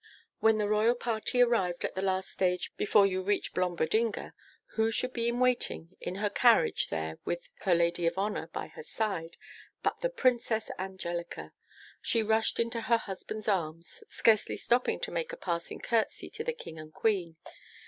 When the Royal party arrived at the last stage before you reach Blombodinga, who should be in waiting, in her carriage there with her lady of honour by her side, but the Princess Angelica! She rushed into her husband's arms, scarcely stopping to make a passing curtsey to the King and Queen.